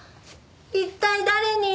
一体誰に？